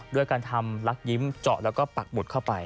ด้วยการทำลักยิ้มเจาะแล้วก็ปักหมุดเข้าไป